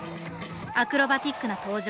アクロバティックな登場。